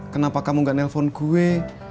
kenapa kamu gak nelfon gue